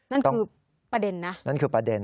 นั่นคือประเด็นนะนั่นคือประเด็น